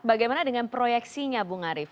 bagaimana dengan proyeksinya bung arief